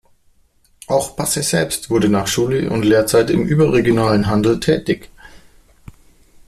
Auch Basse selbst wurde nach Schule und Lehrzeit im überregionalen Handel tätig.